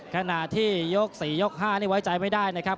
ขณะที่ยก๔ยก๕นี่ไว้ใจไม่ได้นะครับ